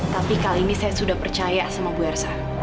tapi kali ini saya sudah percaya sama bu ersa